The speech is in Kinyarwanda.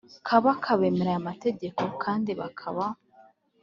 bakaba bemera aya mategeko kandi bakaba